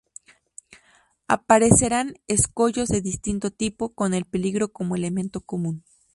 Aparecerán escollos de distinto tipo, con el peligro como elemento común.